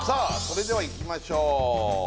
それではいきましょう